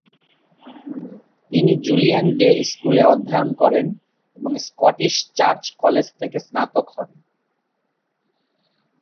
তিনি Julien Day স্কুল-এ অধ্যয়ন করেন এবং স্কটিশ চার্চ কলেজ থেকে স্নাতক হন।